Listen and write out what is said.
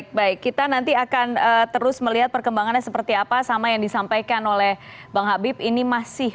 baik baik kita nanti akan terus melihat perkembangannya seperti apa sama yang disampaikan oleh bang habib ini masih